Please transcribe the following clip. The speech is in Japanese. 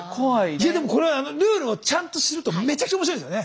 いやでもこれはルールをちゃんと知るとめちゃくちゃ面白いんですよね。